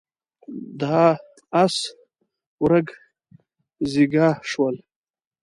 د اس ورږ زيږه شول.